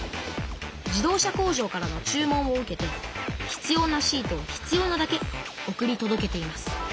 自動車工場からの注文を受けて必要なシートを必要なだけ送りとどけています。